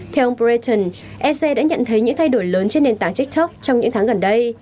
theo ông breton ec đã nhận thấy những thay đổi lớn trên nền tảng tiktok trong những tháng gần đây